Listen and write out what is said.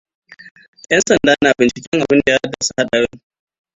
Yan sandan na binciken abinda ya haddasa haɗarin.